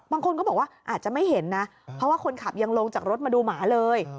บางคนก็บอกว่าอาจจะไม่เห็นนะเพราะว่าคนขับยังลงจากรถมาดูหมาเลย